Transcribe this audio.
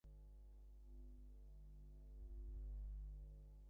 তারা সারা বিশ্বে থাকা ভাগ্য চিহ্নিত করছে।